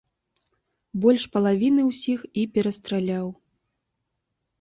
Больш палавіны ўсіх і перастраляў.